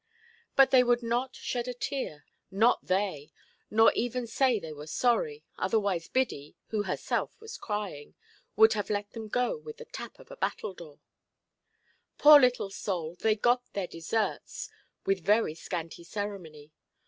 But they would not shed a tear, not they, nor even say they were sorry, otherwise Biddy (who herself was crying) would have let them go with the tap of a battledore. Poor little souls, they got their deserts with very scanty ceremony.